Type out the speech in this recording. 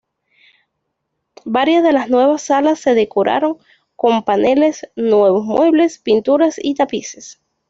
Varias de las nuevas salas se decoraron con paneles, nuevos muebles, pinturas y tapices.